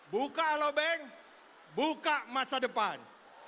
buka alobank buka masa depan